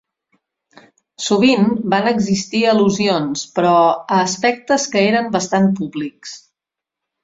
Sovint van existir al·lusions, però, a aspectes que eren bastant públics.